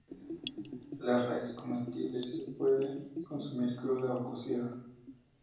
La raíz es comestible y se la puede consumir cruda o cocida.